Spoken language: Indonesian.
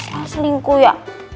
masal selingkuh ya